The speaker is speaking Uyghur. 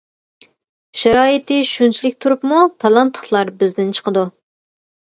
شارائىتى شۇنچىلىك تۇرۇپمۇ تالانتلىقلار بىزدىن چىقىدۇ.